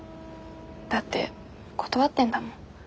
だって断ってんだもん。